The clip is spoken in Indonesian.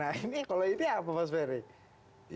nah ini kalau ini apa mas ferry